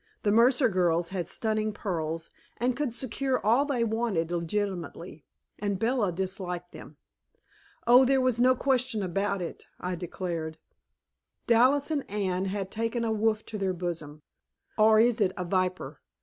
The Mercer girls had stunning pearls, and could secure all they wanted legitimately; and Bella disliked them. Oh, there was no question about it, I decided; Dallas and Anne had taken a wolf to their bosom or is it a viper?